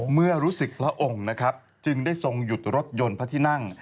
เมื่อรู้สึกพระองค์นะครับจึงได้ทรงหยุดรถยนต์พระที่นั่ง